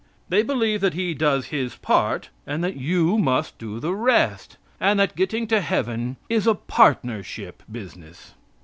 They believe that He does His part, and that you must do the rest, and that getting to heaven is a partnership business.